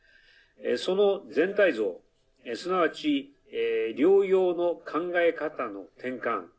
その全体像、すなわち療養の考え方の転換